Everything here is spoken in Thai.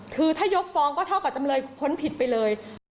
คือถ้ายกฟ้องก็เท่ากับจำเลยพ้นผิดไปเลย